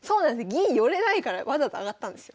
銀寄れないからわざと上がったんですよ。